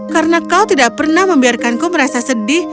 karena kau tidak pernah membiarkanku merasa sedih